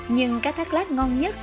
nhưng cá thác lát ngon nhất